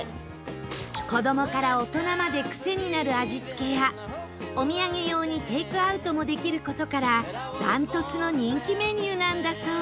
子どもから大人までクセになる味付けやお土産用にテイクアウトもできる事から断トツの人気メニューなんだそう